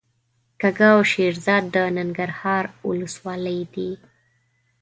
کږه او شیرزاد د ننګرهار ولسوالۍ دي.